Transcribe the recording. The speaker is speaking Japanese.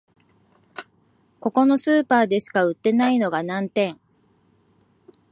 ここのスーパーでしか売ってないのが難点